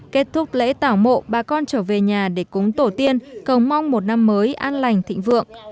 kết thúc lễ tảo mộ bà con trở về nhà để cúng tổ tiên cầu mong một năm mới an lành thịnh vượng